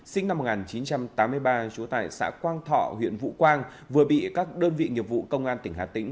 sinh năm một nghìn chín trăm tám mươi ba trú tại xã quang thọ huyện vũ quang vừa bị các đơn vị nghiệp vụ công an tỉnh hà tĩnh